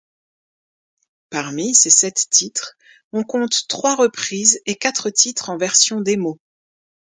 Parmi ces sept titres, on compte trois reprises et quatre titres en version démo.